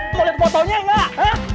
mau liat fotonya gak